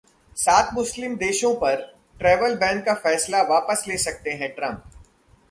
सात मुस्लिम देशों पर ट्रैवल बैन का फैसला वापस ले सकते हैं ट्रंप!